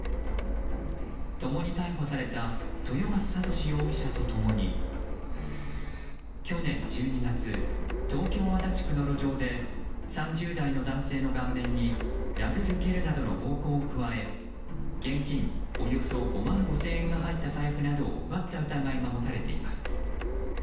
共に逮捕された豊増慧史容疑者と共に去年１２月東京・足立区の路上で３０代の男性の顔面に殴る蹴るなどの暴行を加え現金およそ５万５０００円が入った財布などを奪った疑いが持たれています。